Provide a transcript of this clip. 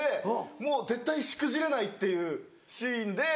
もう絶対しくじれないっていうシーンで。